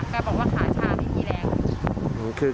บอกว่าขาชาไม่มีแรง